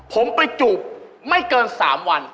ผมไปจูบไม่เกิน๓วัน